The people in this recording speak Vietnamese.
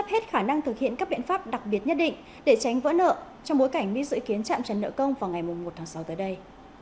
và sắp hết khả năng thực hiện các biện pháp đặc biệt nhất định để tránh vỡ nợ trong bối cảnh mỹ dự kiến chạm trần nợ công vào ngày một mươi một tháng sáu tới đây